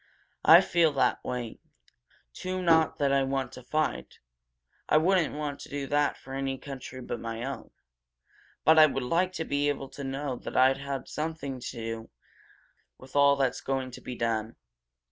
"I feel that way, too not that I want to fight. I wouldn't want to do that for any country but my own. But I would like to be able to know that I'd had something to do with all that's going to be done."